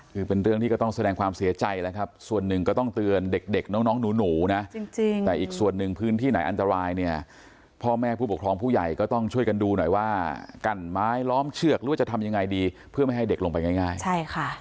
คือเป็นเรื่องที่ก็ต้องแสดงความเสียใจแล้วครับส่วนหนึ่งก็ต้องเตือนเด็กเด็กน้องหนูนะจริงแต่อีกส่วนหนึ่งพื้นที่ไหนอันตรายเนี่ยพ่อแม่ผู้ปกครองผู้ใหญ่ก็ต้องช่วยกันดูหน่อยว่ากั้นไม้ล้อมเชือกหรือว่าจะทำยังไงดีเพื่อไม่ให้เด็กลงไปง่ายใช่ค่ะ